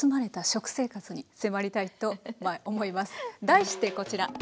題してこちら。